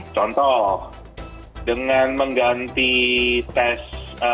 contoh dengan mengganti tes